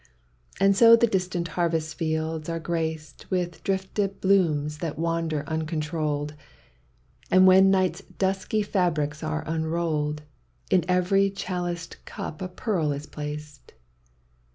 And so the distant harvest fields are graced With drifted blooms that wander uncontrolled. And when night's dusky fabrics are unrolled, In every chaliced cup a pearl is placed.